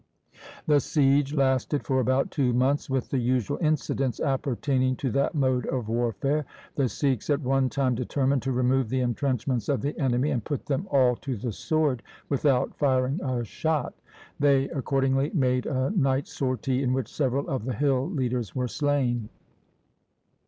The siege lasted for about two months, with the usual incidents appertaining to that mode of war fare. The Sikhs at one time determined to remove the entrenchments of the enemy, and put them all to the sword without firing a shot. They accord ingly made a night sortie in which several of the hill leaders were slain.